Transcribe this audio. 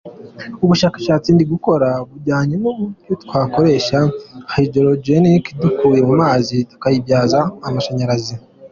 Ubushakashatsi ndi gukora bujyanye n’uburyo twakoresha hydrogen dukuye ku mazi tukayibyaza amashanyarazi.